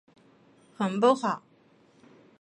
很不好！